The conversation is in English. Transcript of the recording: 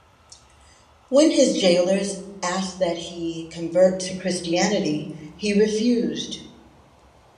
When his jailers asked that he convert to Christianity, he refused.